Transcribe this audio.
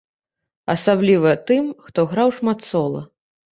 Асабліва тым, хто граў шмат сола.